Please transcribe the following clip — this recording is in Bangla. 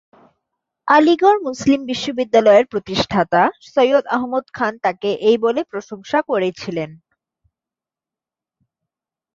আলিগড় মুসলিম বিশ্ববিদ্যালয়ের প্রতিষ্ঠাতা সৈয়দ আহমদ খান তাকে এই বলে প্রশংসা করেছিলেন,